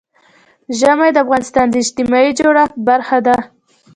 ژمی د افغانستان د اجتماعي جوړښت برخه ده.